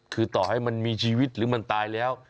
คือต่อให้มันมีชีวิตหรือมันตายแล้ว